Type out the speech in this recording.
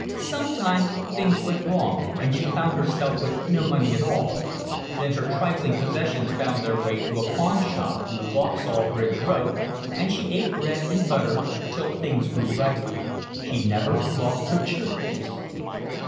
Sometimes things went wrong, and she found herself with no money at all; then her trifling possessions found their way to a pawnshop in the Vauxhall Bridge Road, and she ate bread and butter till things grew brighter. She never lost her cheerfulness.